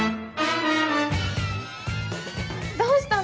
どうしたの？